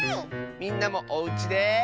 みんなもおうちで。